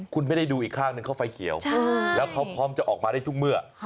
คุณไม่ได้ดูอีกข้างหนึ่งเขาไฟเขียวแล้วเขาพร้อมจะออกมาได้ทุกเมื่อ